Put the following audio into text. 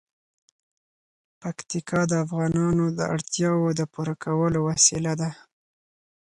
پکتیکا د افغانانو د اړتیاوو د پوره کولو وسیله ده.